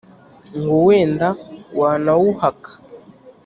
Ngo wenda wanawuhaka